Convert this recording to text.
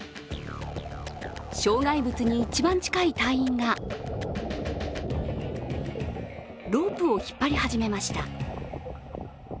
障害物に一番近い隊員がロープを引っ張り始めました。